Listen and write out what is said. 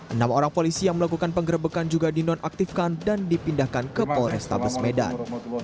enam orang polisi yang melakukan penggerbekan juga dinonaktifkan dan dipindahkan ke kapolres tabes medan